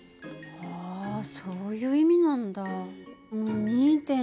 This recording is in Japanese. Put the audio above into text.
はあそういう意味なんだ。